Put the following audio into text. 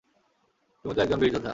তুমিতো একজন বীর যোদ্ধা।